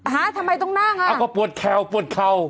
หาทำไมต้องนั่งอ่ะอ้าวก็ปวดแควปวดเข่า